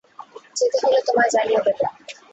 যেতে হলে তোমায় জানিয়ে দেবো।